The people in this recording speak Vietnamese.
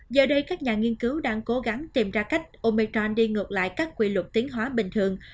giờ đây các nhà nghiên cứu đang cố gắng tìm ra cách omechon đi ngược lại các quy luật tiến hóa bình thường